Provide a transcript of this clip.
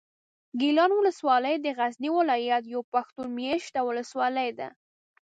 ګیلان اولسوالي د غزني ولایت یوه پښتون مېشته اولسوالي ده.